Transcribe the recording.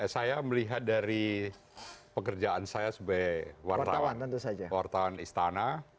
saya melihat dari pekerjaan saya sebagai wartawan istana